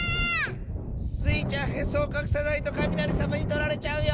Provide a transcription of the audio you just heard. スイちゃんへそをかくさないとかみなりさまにとられちゃうよ！